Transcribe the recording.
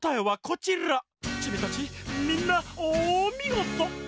チミたちみんなおみごと！